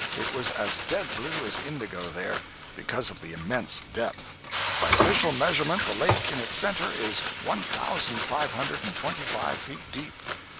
It was as dead blue as indigo there, because of the immense depth. By official measurement the lake in its centre is one thousand five hundred and twenty five feet deep!